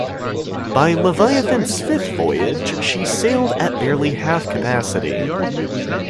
By "Leviathan"s fifth voyage she sailed at barely half capacity.